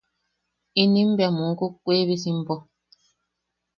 Inim bea muukuk Wiibisimpo.